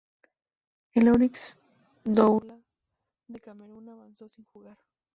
El Oryx Douala de Camerún avanzó sin jugar.